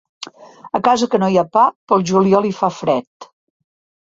A casa que no hi ha pa, pel juliol hi fa fred.